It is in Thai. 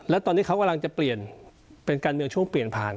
และตอนนี้เขากำลังจะเปลี่ยนเป็นการเมืองช่วงเปลี่ยนผ่าน